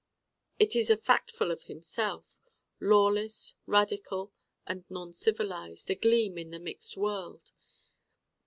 It is a factful of himself lawless, radical and non civilized, agleam in the mixed world.